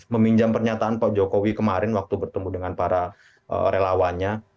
meminjam pernyataan pak jokowi kemarin waktu bertemu dengan para relawannya